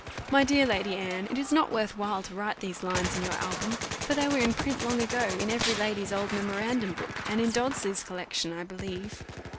"My dear Lady Anne, it is not worth while to write these lines in your album, for they were in print long ago, in every lady's old memorandum book, and in Dodsley's Collection, I believe."